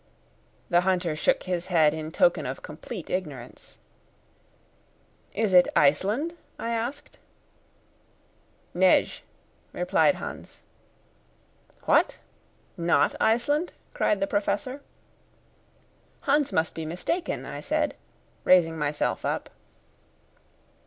The hunter shook his head in token of complete ignorance. "Is it Iceland?" I asked. "Nej," replied Hans. "What! Not Iceland?" cried the Professor. "Hans must be mistaken," I said, raising myself up.